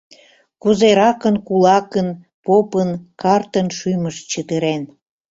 Кузеракын кулакын, попын, картын шӱмышт чытырен!